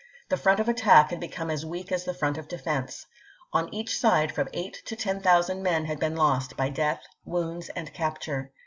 The front of attack had become as weak as the front of defense. On each side from eight to ten thousand men had^ been lost, by death, wounds, and capture.